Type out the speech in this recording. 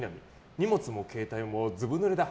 荷物も携帯もずぶぬれだ。